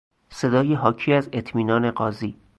صدای حاکی از اطمینان قاضی